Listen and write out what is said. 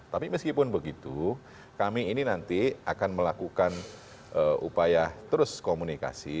tapi meskipun begitu kami ini nanti akan melakukan upaya terus komunikasi